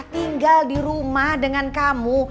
tinggal di rumah dengan kamu